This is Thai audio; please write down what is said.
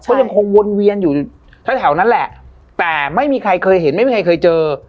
ก็ยังคงวนเวียนอยู่แถวนั้นแหละแต่ไม่มีใครเคยเห็นไม่มีใครเคยเจอ